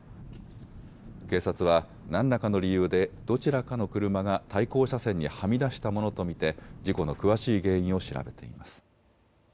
警察は何らかの理由でどちらかの車が対向車線にはみ出したものと見て事故の詳しい原因を調べています。